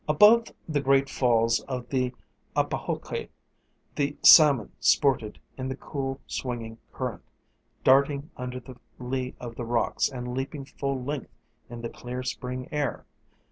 Above the great falls of the Apahoqui the salmon sported in the cool, swinging current, darting under the lee of the rocks and leaping full length in the clear spring air.